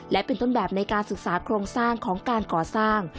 และเป็นต้นแบบในการศึกษาโครงสร้างของการก่อสร้าง